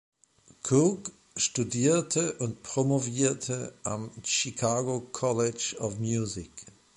Cooke studierte und promovierte am Chicago College of Music.